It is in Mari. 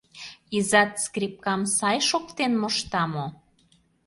Изат скрипкам сай шоктен мошта мо?